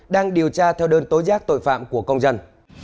đang điều tra theo đơn tố giác tội phạm của công dân